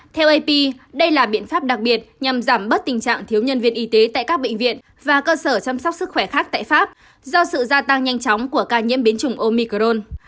theo ap đây là biện pháp đặc biệt nhằm giảm bớt tình trạng thiếu nhân viên y tế tại các bệnh viện và cơ sở chăm sóc sức khỏe khác tại pháp do sự gia tăng nhanh chóng của ca nhiễm biến chủng omicron